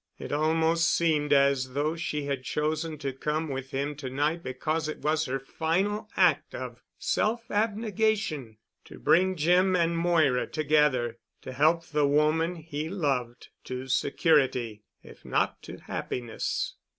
It almost seemed as though she had chosen to come with him to night because it was her final act of self abnegation, to bring Jim and Moira together—to help the woman he loved to security if not to happiness.